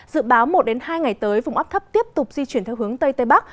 dự báo một đến hai ngày tới vùng ấp thấp tiếp tục di chuyển theo hướng tây tây bắc